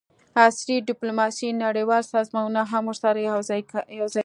عصري ډیپلوماسي نړیوال سازمانونه هم ورسره یوځای کوي